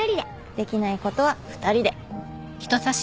できないことは二人で。